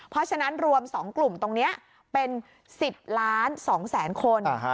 เพราะฉะนั้นรวม๒กลุ่มตรงนี้เป็น๑๐ล้าน๒แสนคน